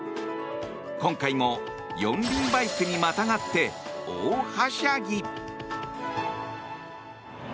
今回も四輪バイクにまたがって大はしゃぎ。